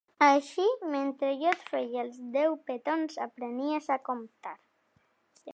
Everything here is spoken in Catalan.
Així, mentre jo et feia els deu petons, aprenies a comptar.